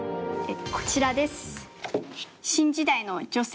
こちらです。